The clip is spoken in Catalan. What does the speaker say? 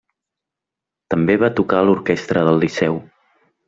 També va tocar en l'orquestra del Liceu.